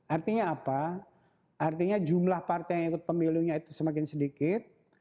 artinya apa artinya jumlah partai yang ikut pemilunya itu semakin sedikit